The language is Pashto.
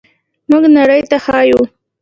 موږ نړۍ ته ښیو.